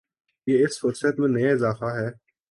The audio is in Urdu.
یہ اس فہرست میں نیا اضافہ ہے